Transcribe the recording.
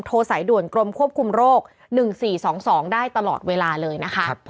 สายด่วนกรมควบคุมโรค๑๔๒๒ได้ตลอดเวลาเลยนะคะ